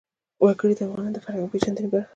وګړي د افغانانو د فرهنګي پیژندنې برخه ده.